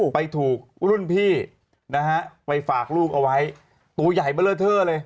ไปถูกรุ่นพี่นะฮะไปฝากลูกเอาไว้ตัวใหญ่เบลอเทอร์เลย